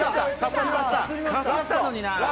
かすったのにな。